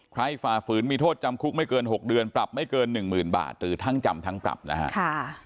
ใครฝาฝืนมีโทษจำคลุกไม่เกินหกเดือนปรับไม่เกินหนึ่งหมื่นบาทหรือทั้งจำทั้งปรับนะฮะค่ะ